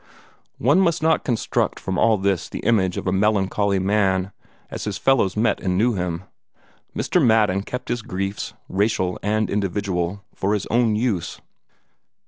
One must not construct from all this the image of a melancholy man, as his fellows met and knew him. Mr. Madden kept his griefs, racial and individual, for his own use.